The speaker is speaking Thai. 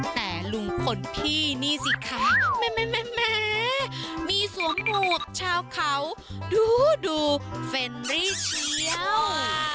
แต่ลุงพลพี่นี่สิคะแม่มีสวมหมวกชาวเขาดูดูเฟรนรี่เชียว